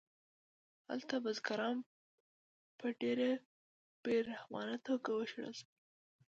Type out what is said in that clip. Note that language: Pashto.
هلته بزګران په ډېره بې رحمانه توګه وشړل شول